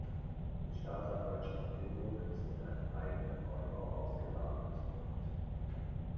Die Staatsanwaltschaft Limburg ist in einen eigenen Neubau ausgelagert.